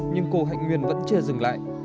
nhưng cô hạnh nguyên vẫn chưa dừng lại